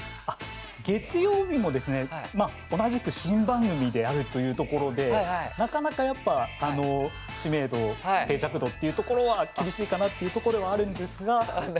月曜日も同じく新番組であるというところでなかなかやっぱり知名度、定着度というところは厳しいかなというところではあるんですが。